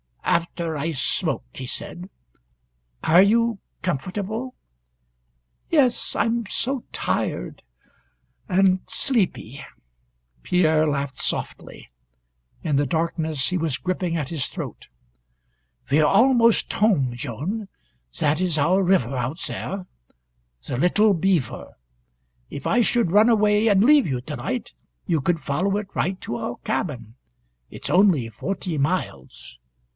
"After I smoke," he said. "Are you comfortable?" "Yes, I'm so tired and sleepy " Pierre laughed softly. In the darkness he was gripping at his throat. "We're almost home, Joan. That is our river out there the Little Beaver. If I should run away and leave you to night you could follow it right to our cabin. It's only forty miles.